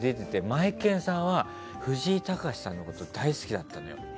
マエケンさんって藤井隆さんのことが大好きだったの。